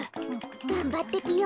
がんばってぴよ！